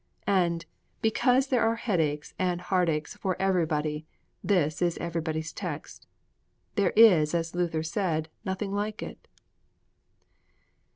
And, because there are headaches and heartaches for everybody, this is Everybody's Text. There is, as Luther said, nothing like it.